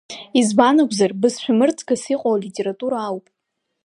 Избан акәзар, бызшәа мырӡгас иҟоу алитература ауп…